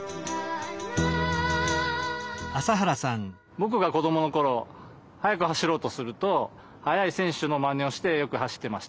ぼくが子どものころ速く走ろうとすると速い選手のまねをしてよく走っていました。